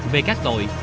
về các tội